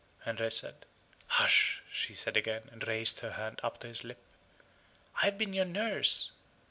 Henry said. "Hush!" she said again, and raised her hand up to his lip. "I have been your nurse.